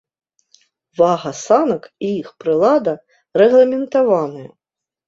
Вага санак і іх прылада рэгламентаваныя.